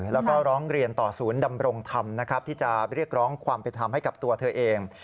แล้วก็ร้องเรียนต่อศูนย์ดำรงธรรมนะครับที่จะเรียกร้องความเป็นธรรมให้กับตัวเธอเอง